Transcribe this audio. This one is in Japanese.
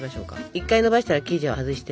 １回のばしたら生地を外して。